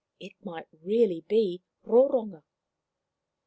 It might really be Roronga.